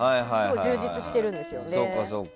充実しているんですよね。